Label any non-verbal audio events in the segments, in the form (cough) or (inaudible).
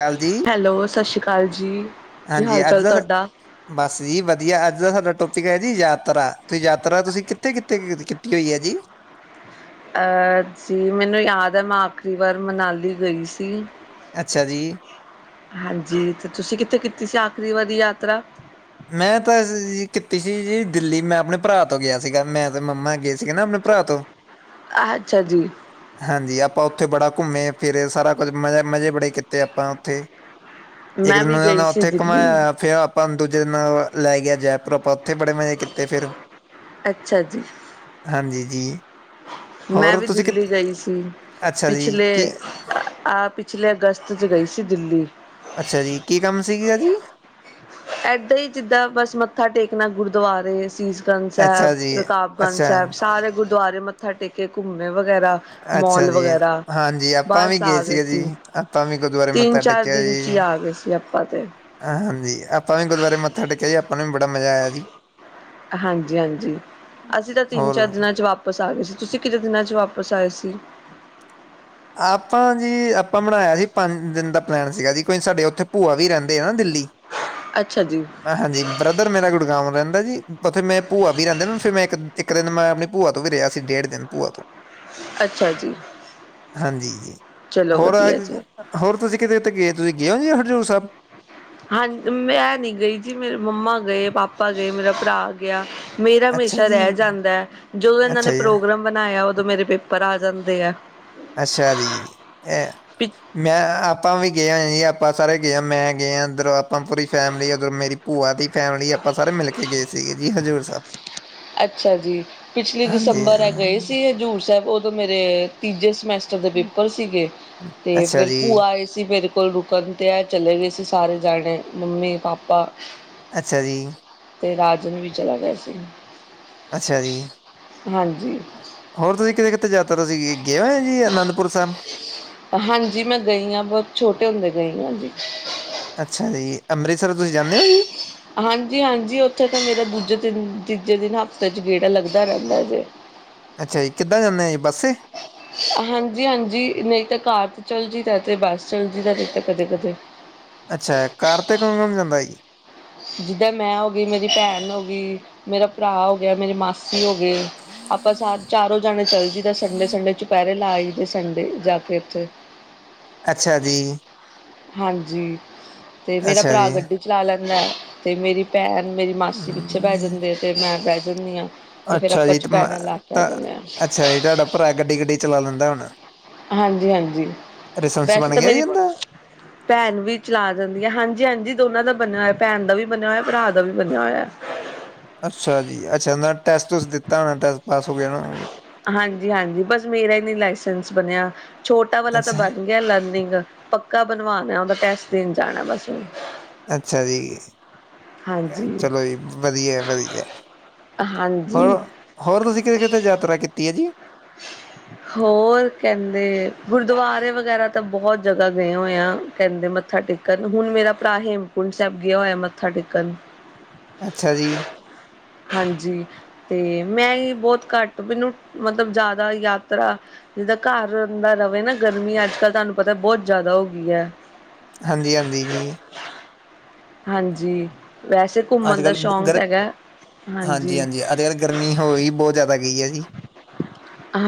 ਕਾਲ ਜੀ ਹੈਲੋ ਸਤਿ ਸ਼੍ਰੀ ਅਕਾਲ ਜੀ। ਕੀ ਹਾਂਜੀ ਹਾਲ ਚਾਲ ਅੱਜਅਲ ਤੁਹਾਡਾ ਮਾਸੀ ਜੀ ਵਧੀਆ, ਅੱਜ ਦਾ ਸਾਡਾ ਟੋਪਿਕ ਹੈ ਜੀ ਯਾਤਰਾ, ਤੁਹੀ ਯਾਤਰਾ ਤੁਸੀਂ ਕਿੱਥੇ-ਕਿੱਥੇ ਕੀ ਕੀਤੀ ਹੋਈ ਹੈ ਜੀ? ਅਹ ਜੀ ਮੈਨੂੰ ਯਾਦ ਹੈ, ਮੈਂ ਆਖਰੀ ਵਾਰ ਮਨਾਲੀ ਗਈ ਸੀ। ਅੱਛਾ ਜੀ। ਹਾਂਜੀ, ਤੇ ਤੁਸੀਂ ਕਿੱਥੇ ਕੀਤੀ ਸੀ ਆਖਰੀ ਵਾਰੀ ਯਾਤਰਾ? ਮੈਂ ਤਾਂ ਜ਼ ਕੀਤੀ ਸੀ ਜੀ ਦਿੱਲੀ, ਮੈਂ ਆਪਣੇ ਭਰਾ ਤੋਂ ਗਿਆ ਸੀਗਾ, ਮੈਂ ਤੇ ਮੰਮਾ ਗਏ ਸੀਗੇ ਨਾ ਆਪਣੇ ਭਰਾ ਤੋਂ। (inaudible) ਅੱਛਾ ਜੀ। ਹਾਂਜੀ, ਆਪਾਂ ਉੱਥੇ ਬੜਾ ਘੁੰਮੇ ਫਿਰੇ ਸਾਰਾ ਕੁਝ, ਮ ਮਜ਼ੇ ਬੜੇ ਕੀਤੇ ਆਪਾਂ ਉੱਥੇ। ਇੱਕ ਮੈਂ ਦਿਨ ਵੀ ਨੇ ਗਈ ਨਾ ਸੀ ਉੱਥੇ ਦਿੱਲੀ ਘੁੰਮਾਇਆ ਫਆ ਆਪਾ ਨ ਦੂਜੇ ਦਿਨ ਅ ਲੈ ਗਿਆ ਜੈਪੁਰ, ਆਪਾਂ ਉੱਥੇ ਬੜੇ ਮਜ਼ੇ ਕੀਤੇ ਫਿਰ। ਅੱਛਾ ਜੀ ਹਾਂਜੀ ਜੀ। ਮੈਂ ਹੋਰ ਵੀ ਤੁਸੀਂ ਕਿ ਦਿੱਲੀ ਗਈ ਸੀ। ਅੱਛਾ ਜੀ ਪਿਛਲੇ ਕੀ ਆ ਪਿਛਲੇ ਅਗਸਤ ਚ ਗਈ ਸੀ ਦਿੱਲੀ। ਅੱਛਾ ਜੀ, ਕੀ ਕੰਮ ਸੀ ਆ ਜੀ? ਏਦਾਂ ਈ, ਜਿੱਦਾਂ ਬਸ ਮੱਥਾ ਟੇਕਣਾ ਗੁਰਦੁਆਰੇ ਅਸੀਸ ਗੰਜ ਸੈਬ, ਅੱਛਾ ਜੀ ਰਕਾਬਗੰਜ ਅੱਛਾ ਸੈਬ, ਸਾਰੇ ਗੁਰਦੁਆਰੇ ਮੱਥਾ ਟੇਕੇ, ਘੁੰਮੇ ਵਗੈਰਾ। ਅੱਛਾ ਮੋਲ ਜੀ, ਵਗੈਰਾ, ਹਾਂਜੀ ਆਪਾਂ ਵੀ ਬਸ ਆ ਗਏ ਸੀਗੇ ਸੀ, ਜੀ, ਆਪਾਂ ਵੀ ਗੁਰਦੁਆਰੇ ਤਿੰਨ ਮੱਥਾ ਚਾਰ ਟੇਕਿਆ ਦਿਨ ਚ ਜੀ। ਈ ਆ ਗਏ ਸੀ। ਬੀ ਆਪਾਂ ਤੇ। ਹਾਂਜੀ, ਆਪਾਂ ਵੀ ਗੁਰਦੁਆਰੇ ਮੱਥਾ ਟੇਕਿਆ ਜੀ, ਆਪਾਂ ਨੂੰ ਵੀ ਬੜਾ ਮਜ਼ਾ ਆਇਆ ਜੀ। ਹਾਂਜੀ-ਹਾਂਜੀ, ਅਸੀਂ ਤਾਂ ਤਿੰਨ ਹੋਰ ਚਾਰ ਦਿਨਾਂ ਚ ਵਾਪ ਪਸ ਆ ਗਏ ਸੀ, ਤੁਸੀਂ ਕਿਨੇ ਦਿਨਾਂ ਚ ਵਾਪਸ ਆਏ ਸੀ? ਆਪਾਂ ਜੀ, ਆਪਾਂ ਬਣਾਇਆ ਸੀ ਪੰਜ ਦਿਨ ਦਾ ਪਲੈਨ ਸੀਗਾ ਜੀ, ਕੋਈ ਸਾਡੇ ਉੱਥੇ ਭੂਆ ਵੀ ਰਹਿੰਦੇ ਆ ਨਾ ਦਿੱਲੀ। ਅੱਛਾ ਜੀ ਮੈਂ ਹਾਂਜੀ ਬ੍ਰ ਬ੍ਰਦਰ ਮੇਰਾ ਗੁੜਗਾਉ ਰਹਿੰਦਾ ਜੀ, ਔਥੇ ਮੈਂ ਭੂਆ ਵੀ ਰਹਿੰਦੇ ਨਾ, ਫਿਰ ਮੈਂ ਇੱਕ, ਇੱਕ ਦਿਨ ਮੈਂ ਆਪਣੀ ਭੂਆ ਤੋਂ ਵੀ ਰਿਆ ਸੀ ਡੇਢ ਦਿਨ ਪੂਆ ਤੋਂ। ਅੱਛਾ ਜੀ। ਹਾਂਜੀ ਜੀ, ਚਲੋ ਹੋਰ ਵਧੀਆ ਅ ਜੀ ਹੋਰ ਤੁਸੀਂ ਕਿਤੇ ਉੱਤੇ ਗਏ, ਤੁਸੀਂ ਗਏ ਔ ਜੀ ਹਰਜ਼ੂਰ ਸਾਬ? ਹਾਂਜ, ਮੈਂ ਨੀ ਗਈ ਜੀ, ਮੇਰੇ ਮੰਮਾ ਗਏ, ਪਾਪਾ ਗਏ, ਮੇਰਾ ਭਰਾ ਗਿਆ, ਮੇਰਾ ਅੱਛਾ ਹਮੇਸ਼ਾ ਜੀ, ਰੇਹ ਜਾਂਦਾ ਐ, ਜਦੋਂ ਇਹਨਾਂ ਨੇ ਅੱਛਾ ਜੀ, ਪ੍ਰੋਗਰਾਮ ਬਣਾਇਆ, ਉਦੋਂ ਮੇਰੇ ਪੇਪਰ ਆ ਜਾਂਦੇ ਆ। ਅੱਛਾ ਜੀ, ਏਹ ਮੈਂ, ਆਪਾਂ ਵੀ ਗਏ ਹ ਔਏ ਜੀ, ਆਪਾਂ ਸਾਰੇ ਗਏ ਆ, ਮੈਂ ਗਏ ਆ ਉੱਧਰ, ਆਪਾਂ ਪੂਰੀ ਫੈਮਿਲੀ ਉੱਧਰੋ ਮੇਰੀ ਭੂਆ ਦੀ ਫੈਮਿਲੀ, ਆਪਾਂ ਸਾਰੇ ਮਿਲ ਕੇ ਗਏ ਸੀਗੇ ਜੀ ਹਜ਼ੂਰ ਸਾਬ। ਅੱਛਾ ਜੀ ਪਿਛਲੀ ਦਸੰਬਰ ਹੈ ਗਏ ਸੀ ਹਾਂ। ਹਜ਼ੂਰ ਸਾਹਿਬ ਉਦੋਂ ਮੇਰੇ ਤੀਜੇ ਸਮੈਸ ਟਰ ਦੇ ਪੇਪਰ ਸੀਗੇ ਤੇ ਅੱਛਾ ਫੇਰ ਜੀ ਭੂਆ ਆਏ ਸੀ ਮੇਰੇ ਕੋਲ ਰੁਕਣ ਤੇ ਇਹ ਚਲੇ ਗਏ ਸੀ ਸਾਰੇ ਜਾਣੇ ਮੰਮੀ ਪਾਪਾ। ਅੱਛਾ ਜੀ। ਤੇ ਰਾਜਨ ਵੀ ਚਲਾ ਗਿਆ ਸੀ। ਅੱਛਾ ਜੀ ਹਾਂਜੀ ਹੋਰ ਤੁਸੀ ਕਿਤੇ-ਕਿਤੇ ਜਾ ਤੁਸੀ ਗਏ ਹੋ ਜੀ ਅਨੰਦਪੁਰ ਸਾਹਿਬ। ਹਾਂਜੀ ਮੈਂ ਗਈ ਹਾਂ ਬਹੁਤ ਛੋਟੇ ਹੁੰਦੇ ਗਈ ਹਾਂ ਜੀ। ਅੱਛਾ ਜੀ ਅੰਮ੍ਰਿਤਸਰ ਤੁਸੀਂ ਜਾਂਦੇ ਹੋ ਜੀ। ਹਾਂਜੀ-ਹਾਂਜੀ ਉੱਥੇ ਤਾ ਮੇਰਾ ਦੂਜੇ ਦਿਨ, ਤੀਜੇ ਦਿਨ ਹਫ਼ਤੇ ਚ ਗੇੜਾ ਲੱਗਦਾ ਰਹਿੰਦਾ ਜੇ। ਅੱਛਾ ਜੀ ਕਿੱਦਾਂ ਜਾਂਦੇ ਜੀ ਬੱਸੇ। ਹਾਂਜੀ-ਹਾਂਜੀ ਨਹੀ ਤੇ ਕਾਰ ਤੇ ਚਲ ਜਈ ਦੇ ਤੇ ਬੱਸ ਚੱਲਜੀ ਦੇ ਤੇ ਤਾਂ ਕਦੇ-ਕਦੇ। ਅੱਛਾ ਕਾਰ ਤੇ ਕੌਣ-ਕੌਣ ਜਾਂਦਾ ਹੈ ਜੀ। ਜਿੱਦਾਂ ਮੈਂ ਹੋ ਗਈ, ਮੇਰੀ ਭੈਣ ਹੋ ਗਈ, ਮੇਰਾ ਭਰਾ ਹੋ ਗਿਆ, ਮੇਰੀ ਮਾਸੀ ਹੋ ਗਈ। ਹਮ। ਆਪਾ ਸ ਚਾਰੋ ਜਾਣੇ ਚੱਲ ਜੀਏ ਦਾ ਸੰਡੇ-ਸੰਡੇ ਚੁਪਹਿਰੇ ਲਾ ਜਈਦੇ ਸੰਡੇ ਜਾ ਕੇ ਉੱਥੇ। ਅੱਛਾ ਜੀ। ਹਾਂਜੀ ਤੇ ਮੇਰਾ ਅੱਛਾ ਭਰਾ ਜੀ ਗੱਡੀ ਚਲਾ ਲੈਂਦਾ। ਅਤੇ ਮੇਰੀ ਭੈਣ, ਮੇਰੀ ਮਾਸੀ ਪਿੱਛੇ ਬਹਿ ਹੂੰ, ਜਾਂਦੇ ਤੇ ਮੈਂ ਪੈ ਜਾਂਦੀ ਹਾਂ। ਫੇਰ ਅੱਛਾ ਆਪਾਂ ਜੀ ਤੇ ਮੈਂ ਚੁਪਹਿਰਾ ਲਾ ਕੇ ਆ ਤਾਂ ਜਾਂਦੇ ਹਾਂ ਅੱਛਾ ਜੀ ਤੁਹਾਡਾ ਭਰਾ ਗੱਡੀ-ਗੱਡੀ ਚਲਾ ਲੈਂਦਾ ਹੋਣਾ। ਹਾਂਜੀ-ਹਾਂਜੀ ਲਾਇਸੈਂਸ ਵੈਸੇ ਬਣ ਤਾਂ ਗਿਆ ਜੀ ਮੇਰੀ ਇਹਦਾ ਭੈਣ ਵੀ ਚਲਾ ਜਾਂਦੀ ਹੈ ਹਾਂਜੀ-ਹਾਂਜੀ ਦੋਨਾਂ ਦਾ ਬਣਿਆ ਹੋਇਆ ਭੈਣ ਦਾ ਵੀ ਬਣਿਆ ਹੋਇਆ ਭਰਾ ਦਾ ਵੀ ਬਣਿਆ ਹੋਇਆ। ਅੱਛਾ ਜੀ ਅੱਛਾ ਉਹਨਾਂ ਨੇ ਟੈਸਟ-ਟੁਸਟ ਦਿੱਤਾ ਹੋਣਾ ਟੈਸਟ ਪਾਸ ਹੋ ਗਿਆ ਹੋਣਾ। ਹਾਂਜੀ-ਹਾਂਜੀ ਬਸ ਮੇਰਾ ਹੀ ਨੀ ਲਾਇਸੈਂਸ ਬਣਿਆ ਛੋਟਾ ਵਾਲਾ ਤਾ ਅੱਛਾ ਬਣ ਗਿਆ ਲਰਨਿੰਗ ਪੱਕਾ ਬਣਵਾਣਾ ਉਹਦਾ ਟੈਸਟ ਦੇਣ ਜਾਣਾ ਬਸ ਹੁਣ। ਅੱਛਾ ਜੀ ਹਾਂਜੀ ਚਲੋ ਜੀ ਵਧੀਆ-ਵਧੀਆ। ਹਾਂਜੀ। ਹੋਰ ਤੁਸੀਂ ਕਿਤੇ-ਕਿਤੇ ਯਾਤਰਾ ਕੀਤੀ ਹੈ ਜੀ। ਹੋਰ ਕਹਿੰਦੇ ਗੁਰਦੁਆਰੇ ਵਗੈਰਾ ਤਾ ਬਹੁਤ ਜਗ੍ਹਾ ਗਏ ਹੋਏ ਆ ਕਹਿੰਦੇ ਮਤ ਮੱਥਾ ਟੇਕਣ ਹੁਣ ਮੇਰਾ ਭਰਾ ਹੇਮਕੁੰਟ ਸਾਹਿਬ ਗਿਆ ਹੋਇਆ ਮੱਥਾ ਟੇਕਣ। ਅੱਛਾ ਜੀ। ਹਾਂਜੀ ਤੇ ਮੈਂ ਹੀ ਬਹੁਤ ਘੱਟ ਮੈਨੂੰ ਮਤ ਜਾਦਾ ਯਾਤਰਾ ਜਿੱਦਾਂ ਘਰ ਦਾ ਰਹੇ ਨਾ ਗਰਮੀ ਅੱਜ ਕੱਲ ਤੁਹਾਨੂੰ ਪਤਾ ਬਹੁਤ ਜਾਦਾ ਹੋ ਗਈ ਹੈ। ਹਾਂਜੀ-ਹਾਂਜੀ ਜੀ। ਹਾਂਜੀ ਵੈਸੇ ਅੱਜ ਘੁੰਮਣ ਦਾ ਕੱਲ੍ਹ ਸ਼ੌਕ ਗਰ ਹੈਗਾ ਹਾਂਜੀ। ਗਰਮੀ ਹੋਈ ਬਹੁਤ ਜਾਦਾ ਗਈ ਹੈ ਜੀ।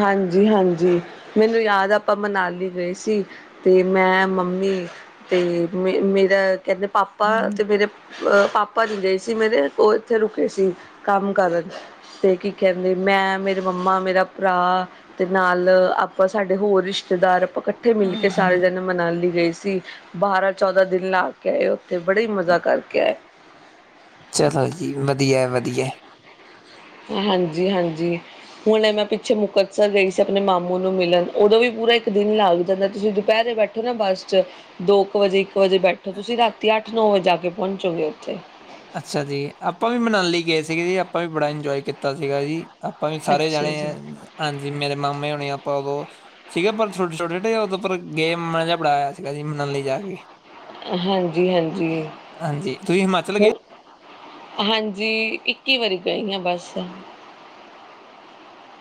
ਹਾਂਜੀ-ਹਾਂਜੀ ਮੈਨੂੰ ਯਾਦ ਆਪਾ ਮਨਾਲੀ ਗਏ ਸੀ। ਤੇ ਮੈਂ ਮੰਮੀ ਤੇ ਮੇਰਾ ਕਹਿੰਦੇ ਪਾਪਾ ਤੇ ਮੇਰੇ ਅਹ ਪਾਪਾ ਜੀ ਗਏ ਸੀ ਮੇਰੇ ਉਹ ਇੱਥੇ ਰੁਕੇ ਸੀ ਕੰਮ ਕਰਨ। ਤੇ ਕੀ ਕਹਿੰਦੇ ਮੈਂ ਮੇਰੇ ਮੰਮਾ, ਮੇਰਾ ਭਰਾ ਤੇ ਨਾਲ ਆਪਾਂ ਸਾਡੇ ਹੋਰ ਰਿਸ਼ਤੇਦਾਰ ਆਪਾ ਕ ਠੇ ਮਿਲ ਕੇ ਸਾਰੇ ਜਾਣੇ ਮਨਾਲੀ ਗਏ ਸੀ ਬਾਰਾਂ, ਚੌਦਾਂ ਦਿਨ ਲਾ ਕੇ ਆਏ ਉੱਥੇ ਬੜੇ ਹੀ ਮਜ਼ਾ ਕਰਕੇ ਆਏ। ਚਲੋ ਜੀ ਵਧੀਆ-ਵਧੀਆ। ਹਾਂਜੀ-ਹਾਂਜੀ। ਹੁਣੇ ਮੈਂ ਪਿੱਛੇ ਮੁਕਤਸਰ ਗਈ ਸੀ ਆਪਣੇ ਮਾਮੂ ਨੂੰ ਮਿਲਣ ਉਦੋਂ ਵੀ ਪੂਰਾ ਇੱਕ ਦਿਨ ਲੱਗ ਜਾਂਦਾ ਤੁਸੀ ਦੁਪਹਿਰੇ ਬੈ ਠੋ ਨਾ ਬੱਸ ਚ ਦੋ ਕੁ ਵਜੇ ਇੱਕ ਵਜੇ ਬੈਠੋ ਤੁਸੀਂ ਰਾਤੀ ਅੱਠ, ਨੌ ਵਜੇ ਜਾ ਕੇ ਪਹੁੰਚੋਗੇ ਉੱਥੇ। ਅੱਛਾ ਜੀ ਆਪਾਂ ਵੀ ਮਨਾਲੀ ਗਏ ਸੀਗੇ ਜੀ ਆਪਾਂ ਵੀ ਬੜਾ ਇੰਜੋਏ ਕੀਤਾ ਸੀਗਾ ਜੀ। ਆਪਾਂ ਵੀ ਸਾਰੇ ਅੱਛਾ ਜਾਣੇ ਜੀ। ਹਾਂਜੀ ਮੇਰੇ ਮਾਮੇ ਹੋਣੇ ਆਪਾਂ ਉਦੋਂ। ਸੀਗਾ ਪਰ ਛੋਟੇ ਛੋਟੇ ਉਦੋਂ ਗਏ ਮਜ਼ਾ ਬੜਾ ਆਇਆ ਸੀਗਾ ਸੀ ਮਨਾਲੀ ਜਾ ਕੇ। ਹਾਂਜੀ ਹਾਂਜੀ ਹਾਂਜੀ ਤੁਸੀਂ ਹਿਮਾਚਲ ਗਏ ਹੂੰ। ਹਾਂਜੀ ਇੱਕੀ ਵਾਰੀ ਗਈ ਹਾਂ ਬਸ।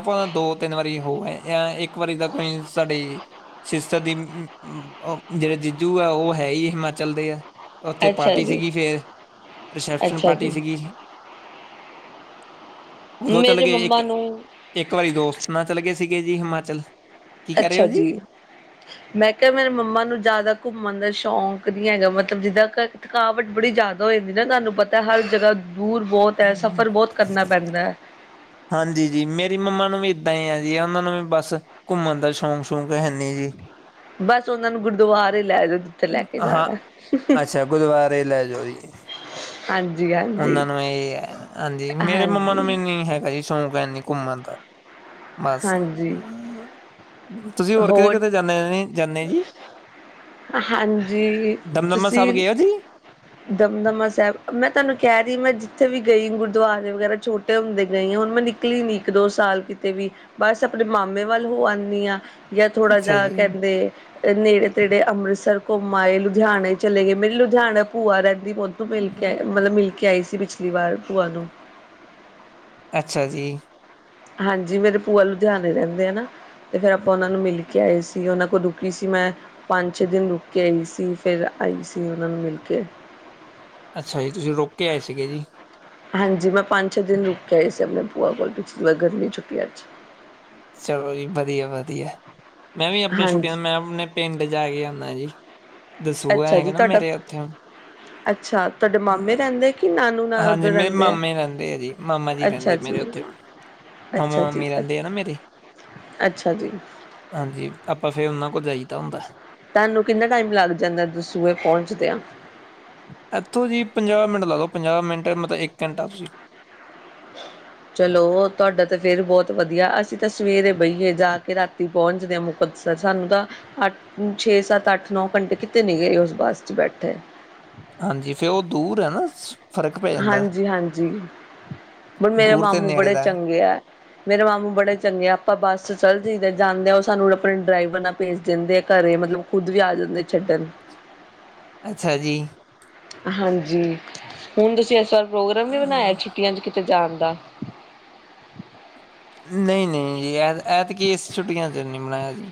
ਆਪਾਂ ਤਾਂ ਦੋ ਤਿੰਨ ਵਾਰੀ ਹੋਰ ਗਏ ਆਂ ਇੱਕ ਵਾਰੀ ਤਾਂ ਗਏ ਸਾਡੇ। ਜਿਸ ਤਰ੍ਹਾਂ ਦੀ ਉਹ ਜਿਹੜੇ ਜੀਜੂ ਆ ਉਹ ਹੈ ਹੀ ਹਿਮਾਚਲ ਦੇ ਆ। ਉੱਥੇ ਅੱਛਾ ਪਾਰਟੀ ਜੀ, ਸੀਗੀ ਫਿਰ ਰਿਸੈਪਸ਼ਨ ਅੱਛਾ ਪਾਰਟੀ ਜੀ ਸੀਗੀ। ਉਦੋਂ ਚਲੇ ਮੇਰੇ ਗਏ, ਇੱਕ ਮੰਮਾ ਨੂੰ ਇੱਕ ਵਾਰੀ ਦੋਸਤ ਨਾਲ ਚੱਲ ਗਏ, ਸੀਗੇ ਜੀ ਹਿਮਾਚਲ। ਕੀ ਕਹਿ ਰਹੇ ਹੋ ਅੱਛਾ ਜੀ। ਮੈਂ ਕਿਹਾ ਮੇਰੇ ਮੰਮਾ ਨੂੰ ਜ਼ਿਆਦਾ ਘੁੰਮਣ ਦਾ ਸ਼ੌਂਕ ਨੀ ਹੈਗਾ ਮਤਲਬ ਜਿੱਦਾਂ ਘਰੇ। ਥਕਾਵਟ ਬੜੀ ਜ਼ਿਆਦਾ ਹੋ ਜਾਂਦੀ ਨਾ ਤੁਹਾਨੂੰ ਪਤਾ ਹਰ ਜਗ੍ਹਾ ਦੂਰ ਬਹੁਤ। ਤਹਿ ਜੀ ਸਫ਼ਰ ਬਹੁਤ ਕਰਨਾ ਪੈਂਦਾ ਹੈ। ਹਾਂਜੀ ਜੀ ਮੇਰੀ ਮੰਮਾ ਨੂੰ ਵੀ ਏਦਾਂ ਹੀ ਆ ਜੀ ਆ ਉਹਨਾਂ ਨੂੰ ਵੀ ਬਸ। ਘੁੰਮਣ ਦਾ ਸ਼ੌਂਕ ਸ਼ੌਕ ਹੈਨੀ ਜੀ ਬਸ ਉਹਨਾਂ ਨੂੰ ਗੁਰਦੁਆਰੇ ਲੈ ਜਾ ਹਾਂ ਅੱਛਾ ਗੁਰੂ ਦੁਆਰੇ ਲੈ ਜੋੜਏ ਹਾਂਜੀ ਹ ਉਹਨਾਂ ਨੂੰ ਇਹ ਹੈ ਹਾਂਜੀ ਮੇਰੇ ਮੰਮਾ ਨੂੰ ਹਾਂਜੀ ਵੀ ਨ ਹੈਗਾ ਜੀ ਸ਼ੌਂਕ ਹੈ ਇਨੀ ਘੁੰਮਣ ਦਾ ਬਸ ਹਾਂਜੀ ਤੁਸੀਂ ਹੋਰ ਕਿਤੇ ਕਿਤੇ ਜਾਂਦੇ ਜਾਂਦੇ ਜੀ ਹਾਂਜੀ ਦਮਦਮਾ ਸਾਹਿਬ ਤੁਸੀਂ ਗਏ ਹੋ ਜੀ ਦਮਦਮਾ ਸਾਹਿਬ ਮੈਂ ਤੁਹਾਨੂੰ ਕਹਿ ਰਹੀ ਮੈਂ ਜਿੱਥੇ ਵੀ ਗਈ ਗੁਰਦੁਆਰੇ ਵਗੈਰਾ ਛੋਟੇ ਛੋਟੇ ਹੁੰਦੇ ਗਏ ਆਾਂ ਹੁਣ ਮੈਂ ਨਿਕਲੀ ਨੀ ਇੱਕ ਦੋ ਸਾਲ ਕਿਤੇ ਵੀ ਬਸ ਆਪਣੇ ਮਾਮੇ ਵੱਲ ਹੋ ਆਂਦੀ ਹਾਂ ਜਾਂ ਥੋੜਾ ਅੱਛਾ ਜਾਿ ਜੀ ਕਹਿੰਦੇ ਨੇੜੇ ਤੇੜੇ ਅੰਮ੍ਰਿਤਸਰ ਘੁੰਮਾਏ ਲੁਧਿਆਣੇ ਚਲੇ ਗਏ ਮੇਰੀ ਲੁਧਿਆਣਾ ਭੂਆ ਰਹਿੰਦੀ ਮੋਦੀ ਮਿਲ ਕੇ ਆ ਮਤਲਬ ਮਿਲ ਕੇ ਆਈ ਸੀ ਪਿਛਲੀ ਵਾਰ ਭੂਆ ਨੂੰ ਅੱਛਾ ਜੀ। ਹਾਂਜੀ ਮੇਰੇ ਭੂਆ ਲੁਧਿਆਣੇ ਰਹਿੰਦੇ ਹੈ ਨਾ। ਅਤੇ ਫਿਰ ਆਪਾਂ ਉਹਨਾਂ ਨੂੰ ਮਿਲ ਕੇ ਆਏ ਸੀ। ਉਹਨਾਂ ਕੋਲ ਰੁਕੀ ਸੀ ਮੈਂ। ਪੰਜ ਛੇ ਦਿਨ ਰੁਕ ਕੇ ਆਈ ਸੀ। ਫੇਰ ਆਈ ਸੀ। ਉਹਨਾਂ ਨੂੰ ਮਿਲ ਕੇ। ਅੱਛਾ ਜੀ ਤੁਸੀਂ ਰੁਕ ਕੇ ਆਏ ਸੀਗੇ ਜੀ। ਹਾਂਜੀ ਮੈਂ ਪੰਜ ਛੇ ਦਿਨ ਰੁਕ ਕੇ ਆਏ ਸੀ। ਆਪਣੇ ਭੂਆ ਕੋਲ ਗਰਮੀ ਦੀਆਂ ਛੁੱਟੀਆਂ 'ਚ। ਚਲੋ ਜੀ ਵਧੀਆ ਵਧੀਆ ਮੈਂ ਵੀ ਆਪਣੇ ਹਾਂਜੀ ਛੁੱਟੀਆਂ ਮੈਂ ਆਪਣੇ ਪਿੰਡ ਜਾ ਕੇ ਆਉਂਦਾ ਜੀ। ਦਸੂਆ ਅੱਛਾ ਜੀ ਹੈਗਾ ਨਾ ਤੁਹਾਡਾ ਮੇਰੇ ਉੱਥੇ ਅੱਛਾ ਤੁਹਾਡੇ ਮਾਮੇ ਰਹਿੰਦੇ ਕਿ ਨਾਨਕੇ। ਹਾਂਜੀ ਮੇਰੇ ਮਾਮੇ ਰਹਿੰਦੇ ਆ ਜੀ ਮਾਮਾ ਜੀ ਅੱਛਾ ਰਹਿੰਦੇ ਮੇਰੇ ਜੀ ਉੱਥੇ ਹੁਣ। ਹੁਣ ਅੱਛਾ ਜੀ ਮਾਮੀ ਅ ਰਹਿੰਦੀ ਆ ਨਾ ਮੇਰੀ। ਅੱਛਾ ਜੀ ਹਾਂਜੀ ਆਪਾਂ ਫੇਰ ਉਹਨਾਂ ਕੋਲ ਜਾਈਦਾ ਹੁੰਦਾ। ਤੁਹਾਨੂੰ ਕਿੰਨਾ ਟਾਈਮ ਲੱਗ ਜਾਂਦਾ ਦਸੂਏ ਪਹੁੰਚਦੇ ਆ। ਇੱਥੋਂ ਜੀ ਪੰਜਾਹ ਮਿੰਟ ਲਾ ਲੋ ਪੰਜਾਹ ਮਿੰਟ ਮਤਲਬ ਇੱਕ ਘੰਟਾ ਤੁਸੀਂ। ਚਲੋ ਤੁਹਾਡਾ ਤਾਂ ਫੇਿਰ ਬਹੁਤ ਵਧੀਆ ਅਸੀਂ ਤਾਂ ਸਵੇਰੇ ਬਹੀਏ ਜਾ ਕੇ ਰਾਤੀ ਪਹੁੰਚਦੇ ਹਾਂ ਮੁ ਸਾਨੂੰ ਤਾਂ ਅੱਠ ਛੇ ਸੱਤ ਅੱਠ ਨੌ ਘੰਟੇ ਕਿਤੇ ਨੀ ਗਏ ਉਸ ਬੱਸ ਚ ਬੈਠੇ ਹਾਂਜੀ ਫਿਰ ਉਹ ਦੂਰ ਹੈ ਨਾ ਫਰਕ ਪੈ ਜਾਂਦਾ ਹਾਂਜੀ ਹਾਂਜੀ ਬਣ ਮੇਰੇ ਦੂਰ ਤੇ ਮਾਮੂ ਨੇੜੇ ਬੜੇ ਦਾ ਚੰਗੇ ਆ ਮੇਰੇ ਮਾਮੂ ਬੜੇ ਚੰਗੇ ਆਪਾਂ ਬੱਸ ਚ ਚੱਲ ਜਾਈਦੇ ਜਾਂਦੇ ਉਹ ਸਾਨੂੰ ਆਪਣੇ ਡਰਾਈਵਰ ਭੇਜ ਦਿੰਦੇ ਆ ਘਰੇ ਮਤਲਬ ਖੁਦ ਵੀ ਆ ਜਾਂਦੇ ਛੱਡਣ ਅੱਛਾ ਜੀ ਹਾਂਜੀ ਹੁਣ ਤੁਸੀਂ ਇਸ ਵਾਰ ਪ੍ਰੋਗਰਾਮ ਵੀ ਬਣਾਇਆ ਅਮ, ਛੁੱਟੀਆਂ ਚ ਕਿਤੇ ਜਾਣ ਦਾ ਨਹੀਂ ਨਹੀਂ ਜੀ ਇਹ ਐਤ ਕੀ ਇਸ ਛੁੱਟੀਆਂ ਚ ਨ ਮਨਾਇਆ ਜੀ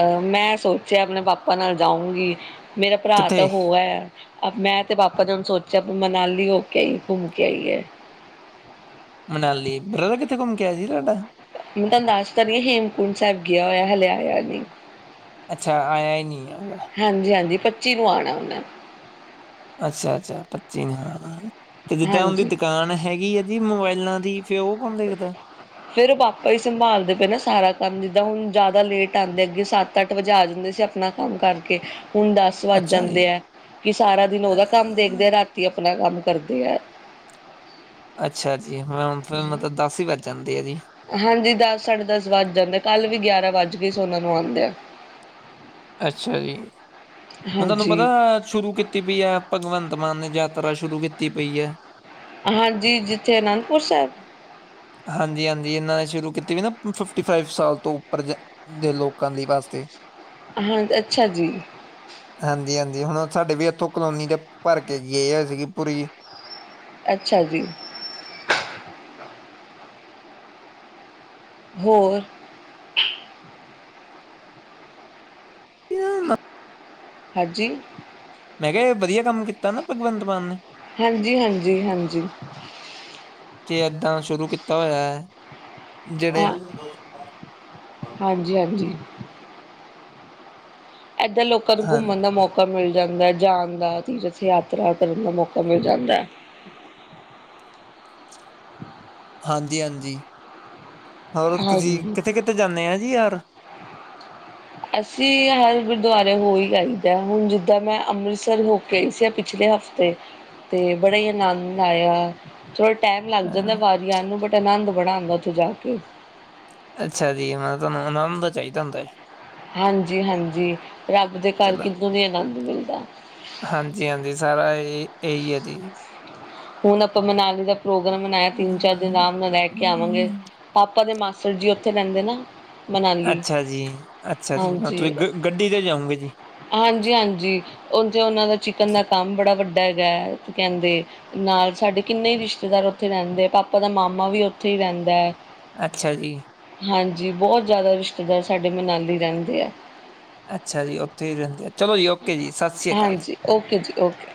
ਅਹ ਮੈਂ ਸੋਚਿਆ ਆਪਣੇ ਪਾਪਾ ਨਾਲ ਜਾਊਂਗੀ ਮੇਰਾ ਭਰਾ ਤਾਂ ਕਿੱਥੇ ਹੋ ਹੈ ਮੈਂ ਤੇ ਬਾਪਾ ਜ ਸੋਚਿਆ ਵੀ ਮਨਾਲੀ ਹੋ ਕੇ ਆਈ ਘੁੰਮ ਕੇ ਆਈ ਹੈ ਮਨਾਲੀ ਬ੍ਰਦਰਰ ਕਿੱਥੇ ਘੁੰਮ ਕਿ ਆਇਆ ਤੁਹਾਡਾ ਮੈਂ ਦੱਸ ਤਾਂ ਰਹੀ ਹਾਂ ਹੇਮਕੁੰਟ ਸਾਹਿਬ ਗਿਆ ਹੋਇਆ ਹਲੇਿਆ ਆਇਆ ਨਹੀਂ ਅੱਛਾ ਆਇਆ ਹੀ ਨਹੀਂ ਹੈਗਾ ਹਾਂਜੀ-ਹਾਂਜੀ ਪੱਚੀ ਨੂੰ ਆਉਣਾ ਉਹਨਾਂ ਅੱਛਾ, ਅੱਛਾ ਪੱਚੀ ਨਾਲ ਤੇ ਜਿੱਦਾਂ ਉਹਦੀ ਹਾਂਜੀ। ਦੁਕਾਨ ਹੈਗੀ ਆ। ਇਹਦੀ ਮੋਬਾਇਲਾਂ ਦੀ ਫੇਰ ਉਹ ਕੌਣ ਦੇਖਦਾ। ਫੇਰ ਪਾਂਪਾ ਹੀ ਸੰਭਾਲਦੇ ਪਏ ਨਾ ਸਾਰਾ ਕੰਮ ਜਿੱਦਾਂ ਹੁਣ ਜ਼ਿਆਦਾ ਲੇਟ ਆਉਂਦੇ ਅੱਗੇ ਸੱਤ, ਅੱਠ ਵਜਾ ਦਿੰਦੇ ਸੀ ਆਪਣਾ ਕੰਮ ਕਰਕੇ ਹੁਣ ਦੱਸ ਦਸ ਵਜ ਅੱਛਾ ਜੀ। ਜਾਂਦੇ ਹੈ, ਕਿ ਸਾਰਾ ਦਿਨ ਅ ਉਹਦਾ ਕੰਮ ਦੇਖਦੇ ਆ ਰਾਤੀ ਆਪਣਾ ਕੰਮ ਕਰਦੇ ਆ। ਅੱਛਾ ਜੀ ਮੈ ਮਤਲਬ ਦਸ ਹੀ ਵਜ ਜਾਂਦੇ ਆ ਜੀ। ਹਾਂਜੀ ਦਸ ਸਾਢੇ ਦਸ ਵੱਜ ਜਾਂਦੇ, ਆ ਕੱਲ੍ਹ ਵੀ ਗਿਆਰਾਂ ਵੱਜ ਕੇ ਸੋਨਾ ਨੂੰ ਆਉਂਦੇ ਆ। ਅੱਛਾ ਜੀ, ਹੁਣ ਤੁਹਾਨੂੰ ਹਾਂਜੀ ਪਤਾ ਸ਼ੁਰੂ ਕੀਤੀ ਪਈ ਹੈ, ਭਗਵੰਤ ਮਾਨ ਨੇ ਯਾਤਰਾ ਸ਼ੁਰੂ ਕੀਤੀ ਪਈ ਹੈ। ਹਾਂਜੀ, ਜਿੱਥੇ ਅਨੰਦਪੁਰ ਸਾਹਿਬ ਹਾਂਜੀ, ਹਾਂਜੀ ਇਹਨਾਂ ਨੇ ਸ਼ੁਰੂ ਕੀਤੀ ਵੀ, ਨਾ ਫਿਫਟੀ ਫਾਈਵ ਸਾਲ ਤੋਂ ਉੱਪਰ ਦੇ ਲੋਕਾਂ ਲਈ ਵਾਸਤੇ, ਹਾਂ ਅੱਛਾ ਜੀ। ਹਾਂਜੀ ਹਾਂਜੀ ਹੁਣ ਸਾਡੇ ਵੀ ਇੱਥੋਂ ਕਲੋਨੀ ਦੇ ਭਰ ਕੇ ਗਏ ਹੋਏ ਸੀਗੀ ਪੂਰੀ ਅੱਛਾ ਜੀ। ਹੋਰ। ਹਾਂਜੀ। ਮੈਂ ਕਿਹਾ ਵਧੀਆ ਕੰਮ ਕੀਤਾ ਨਾ ਭਗਵੰਤ ਮਾਨ ਨੇ। ਹਾਂਜੀ ਹਾਂਜੀ ਹਾਂਜੀ। ਕਿ ਏਦਾਂ ਸ਼ੁਰੂ ਕੀਤਾ ਹੋਇਆ ਹੈ, ਜਿਹੜੇ ਹਾਂ ਹਾਂਜੀ ਹਾਂਜੀ। ਐੱਥੇ ਲੋਕਾ ਨੂੰ ਹਾਂ ਘੁੰਮਣ ਮੌਕਾ, ਮੌਕਾ ਮਿਲ ਜਾਂਦਾ ਜਾਣ ਦਾ ਚੀ ਜਿੱਥੇ ਯਾਤਰਾ ਕਰਨ ਦਾ ਮੌਕਾ ਮਿਲ ਜਾਂਦਾ। ਹਾਂਜੀ-ਹਾਂਜੀ ਹੋਰ ਤੁਸੀਂ ਹਾਂਜੀ, ਕਿੱਥੇ ਕਿੱਥੇ ਜਾਂਦੇ ਆ ਜੀ ਯਾਰ। ਅਸੀਂ ਹਰ ਗੁਰਦੁਆਰੇ ਹੋ ਹੀ ਆਈਦਾ ਹੁਣ ਜਿੱਦਾਂ ਮੈਂ ਅੰਮ੍ਰਿਤਸਰ ਹੋ ਕੇ ਆਈ ਸੀ ਪਿਛਲੇ ਹਫ਼ਤੇ, ਅਤੇ ਅਤੇ ਬੜਾ ਹੀ ਆਨੰਦ ਆਇਆ। ਥੋੜਾ ਟਾਈਮ ਲੱਗ ਹਾਂ। ਜਾਂਦਾ, ਵਾਰੀ ਆਣ ਨੂੰ ਬਟ ਆਨੰਦ ਬੜਾ ਆਉਂਦਾ ਉੱਥੇ ਜਾ ਕੇ, ਅੱਛਾ ਜੀ ਮੈਂ ਤੁਹਾਨੂੰ ਉਹ ਨੂੰ ਦਾ ਚਾਹੀਦਾ ਹੁੰਦਾ। ਹਾਂਜੀ-ਹਾਂਜੀ ਰੱਬ ਦੇ ਘਰ ਹੀ ਆਨੰਦ ਮਿਲਦਾ। ਹਾਂਜੀ-ਹਾਂਜੀ ਸਾਰਾ ਇਹ ਇਹੀ ਹੈ ਜੀ। ਹੁਣ ਆਪਾਂ ਮਨਾਲੀ ਦਾ ਪ੍ਰੋਗਰਾਮ ਬਣਾਇਆ ਤਿੰਨ ਚਾਰ ਦਿਨ ਆਰਾਮ ਨਾਲ ਰਹਿ ਕੇ ਆਵਾਂਗੇ। ਪਾਪਾ ਦੇ ਮਾਸੜ ਜੀ ਉੱਥੇ ਰਹਿੰਦੇ ਨਾ। ਮਨਾਲੀ ਅੱਛਾ ਜੀ, ਅੱਛਾ ਜੀ ਮਤਲਬ ਤੁਸੀਂ ਗ ਗੱਡੀ ' ਜਾਉਂਗੇ ਜੀ। ਹਾਂਜੀ ਹਾਂਜੀ ਉ ਉਹਨਾਂ ਦਾ ਚਿਕਨ ਦਾ ਕੰਮ ਬੜਾ ਵੱਡਾ ਹੈਗਾ ਹੈ। ਕਹਿੰਦੇ ਨਾਲ ਸਾਡੇ ਕਿੰਨੇ ਹੀ ਰਿਸ਼ਤੇਦਾਰ ਉੱਥੇ ਰਹਿੰਦੇ ਪਾਪਾ ਦਾ ਮਾਮਾ ਵੀ ਉੱਥੇ ਹੀ ਰਹਿੰਦਾ ਹੈ। ਅੱਛਾ ਜੀ। ਹਾਂਜੀ ਬਹੁਤ ਜ਼ਿਆਦਾ ਰਿਸ਼ਤੇਦਾਰ ਸਾਡੇ ਮਨਾਲੀ ਰਹਿੰਦੇ ਆ। ਅੱਛਾ ਜੀ ਉੱਥੇ ਹੀ ਰਹਿੰਦੇ ਆ, ਚਲੋ ਜੀ ਓਕੇ ਜੀ ਸਤਿ ਸ਼੍ਰੀ ਅਕਾਲ ਜੀ। ਹਾਂਜੀ ਓਕੇ ਜੀ ਓਕੇ।